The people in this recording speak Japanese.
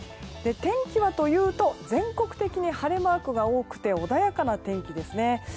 天気はというと全国的に晴れマークが多くて穏やかな天気ですね。